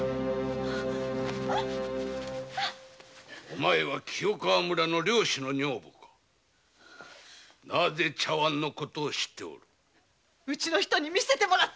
お前は清川村の猟師の女房かなぜ茶碗のことを知っておるうちの人に見せてもらったんだよ